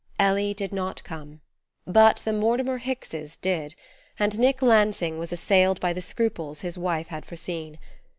Ellie did not come; but the Mortimer Hickses did, and Nick Lansing was assailed by the scruples his wife had foreseen.